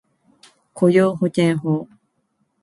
雇用保険法